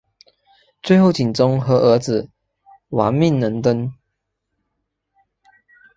最后景忠和儿子亡命能登。